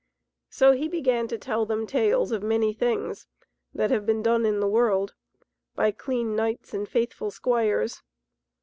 So he began to tell them tales of many things that have been done in the world by clean knights and faithful squires.